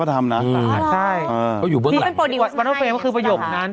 ถ่ายเพลงนั้น